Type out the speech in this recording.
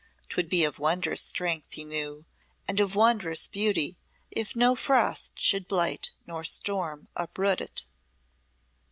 'Twould be of wondrous strength, he knew, and of wondrous beauty if no frost should blight nor storm uproot it.